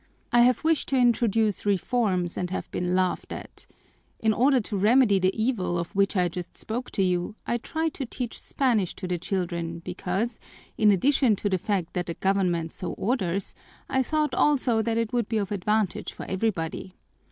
I have wished to introduce reforms and have been laughed at. In order to remedy the evil of which I just spoke to you, I tried to teach Spanish to the children because, in addition to the fact that the government so orders, I thought also that it would be of advantage for everybody.